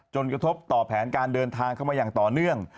กระทบต่อแผนการเดินทางเข้ามาอย่างต่อเนื่อง